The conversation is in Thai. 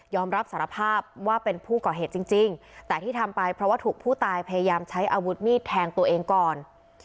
รับสารภาพว่าเป็นผู้ก่อเหตุจริงแต่ที่ทำไปเพราะว่าถูกผู้ตายพยายามใช้อาวุธมีดแทงตัวเองก่อน